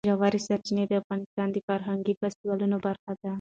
ژورې سرچینې د افغانستان د فرهنګي فستیوالونو برخه ده.